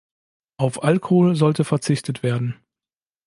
Auf Alkohol sollte verzichtet werden.